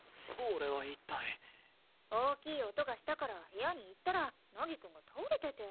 大きい音がしたから部屋に行ったら凪くんが倒れてて。